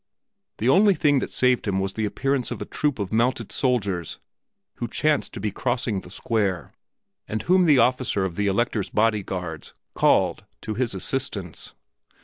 The only thing that saved him was the appearance of a troop of mounted soldiers who chanced to be crossing the square, and whom the officer of the Elector's body guards called to his assistance.